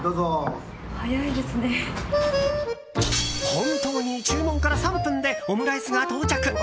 本当に注文から３分でオムライスが到着。